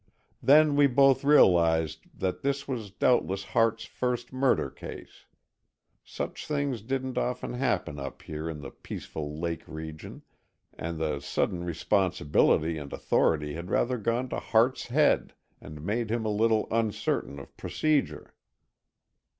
Then we both realized that this was doubtless Hart's first murder case. Such things didn't often happen up here in the peaceful lake region, and the sudden responsibility and authority had rather gone to Hart's head and made him a little uncertain of procedure.